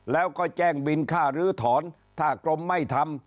แล้วก็แจ้งบินค่าลื้อถอนถ้ากรมไม่ทำ